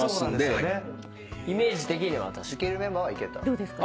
どうですか？